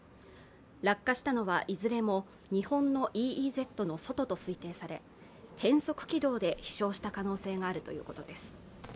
落下したのは、いずれも日本のＥＥＺの外とされ変則軌道で飛翔した可能性があるということです。